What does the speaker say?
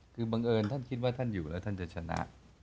คือบังเอิญท่านคิดว่าท่านอยู่แล้วท่านจะชนะ